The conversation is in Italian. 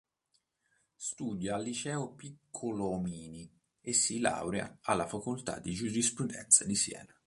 Studia al Liceo Piccolomini e si laurea alla facoltà di Giurisprudenza di Siena.